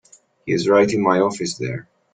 He's right in my office there.